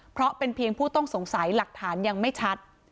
เพราะเป็นเพียงผู้ต้องสงสัยหลักฐานยังไม่ชัด